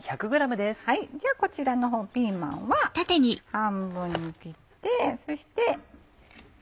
じゃあこちらの方ピーマンは半分に切ってそして。